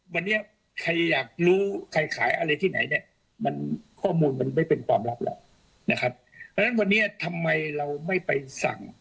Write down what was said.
เพราะฉะนั้นวันนี้ทำไมเราไม่ไปสั่ง